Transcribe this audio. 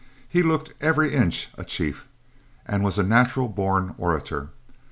He looked every inch a chief, and was a natural born orator.